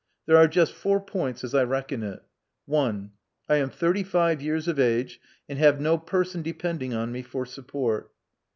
There are just four points, as I reckon it. i, I am thirty five years of age, and have no person depending on me for support.